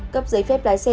cấp giấy phép lái xe